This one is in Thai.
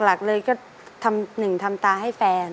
หลักเลยก็๑ทำตาให้แฟน